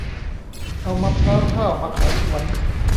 เอามะพร้าวห้าวมาขายสวน